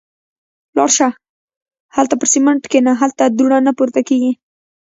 – لاړه شه. هالته پر سمڼت کېنه. هلته دوړه نه پورته کېږي.